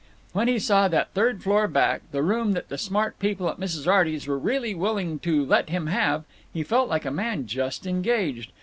When he saw that third floor back, the room that the smart people at Mrs. Arty's were really willing to let him have, he felt like a man just engaged.